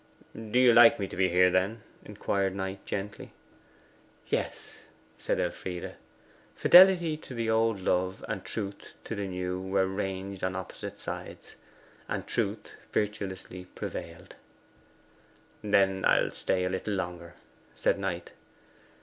'Do you like me to be here, then?' inquired Knight gently. 'Yes,' she said. Fidelity to the old love and truth to the new were ranged on opposite sides, and truth virtuelessly prevailed. 'Then I'll stay a little longer,' said Knight.